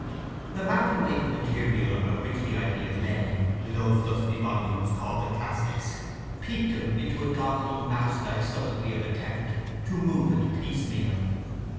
The mountain weight of material under which the ideas lay in those dusty volumes called the classics piqued him into a dogged, mouselike subtlety of attempt to move it piecemeal.